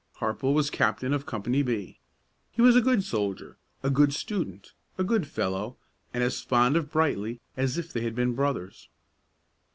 Harple was captain of Company B. He was a good soldier, a good student, a good fellow, and as fond of Brightly as if they had been brothers.